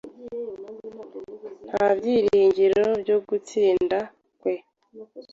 Nta byiringiro byo gutsinda kwe.